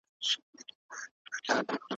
څوک د بحث مشري کوي؟